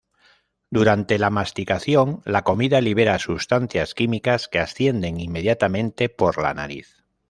Durante la masticación, la comida libera sustancias químicas que ascienden inmediatamente por la nariz.